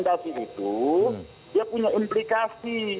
dia punya implikasi